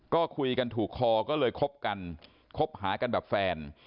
ก็คุยกันถูกคอก็เลยคบกันคบหากันแบบแฟน